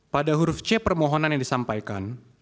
pada huruf c permohonan yang disampaikan